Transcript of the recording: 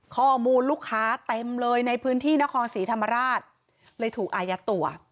ข้อมูลลูกค้าเต็มเลยในพื้นที่นครศรีธรรมราชเลยถูกอายัดตัว